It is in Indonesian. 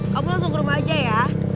kamu langsung ke rumah aja ya